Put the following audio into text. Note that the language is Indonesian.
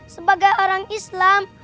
sebagai orang islam